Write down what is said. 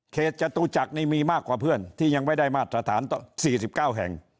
เขตจตู่จักรนี่มีมากกว่าเพื่อนที่ยังไม่ได้มาตรฐานสี่สิบเก้าแห่ง